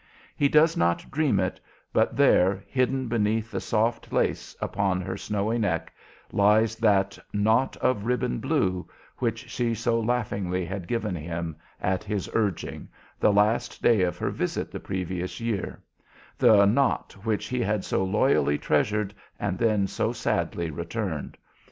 He does not dream it, but there, hidden beneath the soft lace upon her snowy neck, lies that "knot of ribbon blue" which she so laughingly had given him, at his urging, the last day of her visit the previous year; the knot which he had so loyally treasured and then so sadly returned.